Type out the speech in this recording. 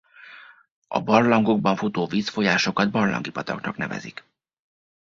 A barlangokban futó vízfolyásokat barlangi pataknak nevezik.